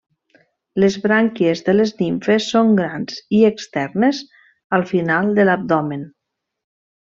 Les brànquies de les nimfes són grans i externes, al final de l'abdomen.